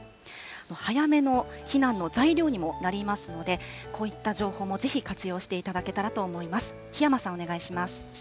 早めの避難の材料にもなりますので、こういった情報もぜひ活用していただけたらと思います。